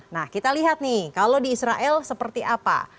nah kita lihat nih kalau di israel seperti apa